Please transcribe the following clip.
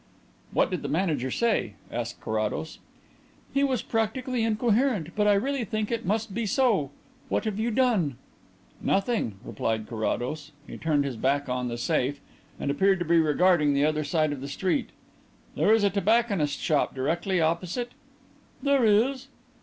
"What did the manager say?" asked Carrados. "He was practically incoherent, but I really think it must be so. What have you done?" "Nothing," replied Carrados. He turned his back on "The Safe" and appeared to be regarding the other side of the street. "There is a tobacconist's shop directly opposite?" "There is."